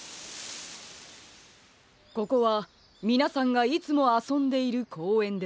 ここはみなさんがいつもあそんでいるこうえんですね。